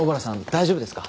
大丈夫ですか？